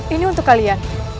ini untuk kalian